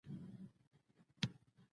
هیواد د مور په شان ګران دی